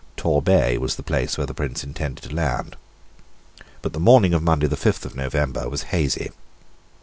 Torbay was the place where the Prince intended to land. But the morning of Monday the fifth of November was hazy.